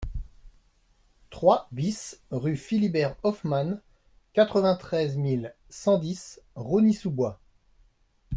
trois BIS rue Philibert Hoffmann, quatre-vingt-treize mille cent dix Rosny-sous-Bois